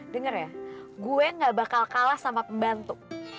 dengar ya gue gak bakal kalah sama pembantu